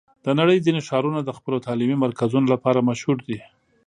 د نړۍ ځینې ښارونه د خپلو تعلیمي مرکزونو لپاره مشهور دي.